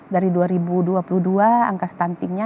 dari dua ribu dua puluh dua angka stuntingnya